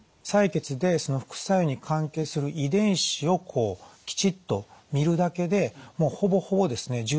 採血でその副作用に関係する遺伝子をこうきちっと見るだけでほぼほぼですね